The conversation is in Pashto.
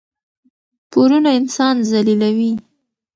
پورونه انسان ذلیلوي.